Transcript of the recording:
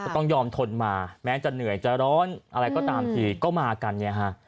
ต้องยอมทนมาแม้จะเหนื่อยจะร้อนอะไรก็ตามทีก็มากันเนี่ยฮะ